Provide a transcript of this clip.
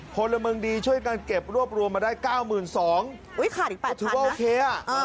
พลเมืองดีช่วยกันเก็บรวบรวมมาได้เก้าหมื่นสองอุ้ยขาดอีกแปดถือว่าโอเคอ่ะ